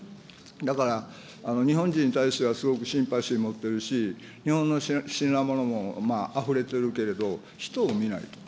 だから、日本人に対してはすごくシンパシー持ってるし、日本の品物もあふれてるけれど、人を見ないと。